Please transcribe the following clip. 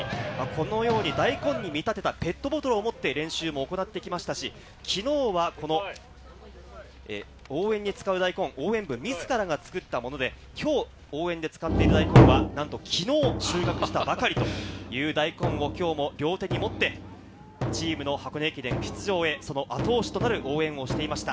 このように大根に見立てたペットボトルを持って練習も行ってきましたし、きのうは応援に使う大根、応援部自らが作ったもので、きょう応援で使っている大根はなんと、きのう収穫したばかりという大根をきょうも両手に持って、チームの箱田駅伝出場へ、その後押しとなる応援をしていました。